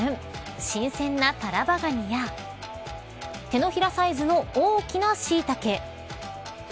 新鮮なタラバガニや手のひらサイズの大きなしいたけ。